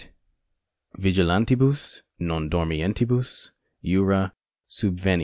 ViGILANTIBUS NON DORMIENTIBUS JURA SUBVENIUNT.